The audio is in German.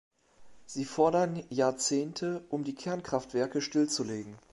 Sie fordern Jahrzehnte, um die Kernkraftwerke stillzulegen.